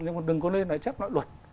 nhưng mà đừng có nên là chấp nội luật